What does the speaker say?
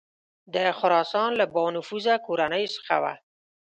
د خراسان له بانفوذه کورنیو څخه وه.